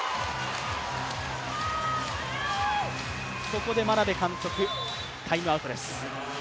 ここで眞鍋監督、タイムアウトです。